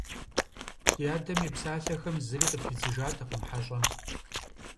Ди адэм и псалъэхэм зыри къыпидзыжатэкъым хьэщӀэм.